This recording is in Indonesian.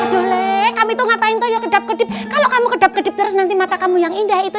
jualan itu ngapain tuh ya kedap kedip kamu kedap kedip terus nanti mata kamu yang indah itu